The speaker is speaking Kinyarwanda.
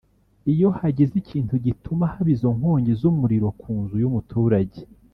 iyo hagize ikintu gituma haba izo nkongi z’umuriro ku nzu y’umuturage